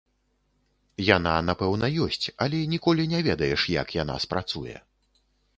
Яна, напэўна, ёсць, але ніколі не ведаеш, як яна спрацуе.